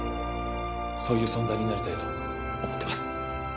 そういう存在になりたいと思ってます